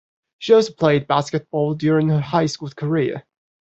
She also played basketball during her high school career.